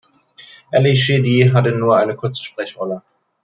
Ally Sheedy hatte nur eine kurze Sprechrolle.